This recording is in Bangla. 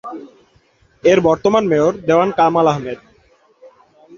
এর বর্তমান মেয়র দেওয়ান কামাল আহমেদ।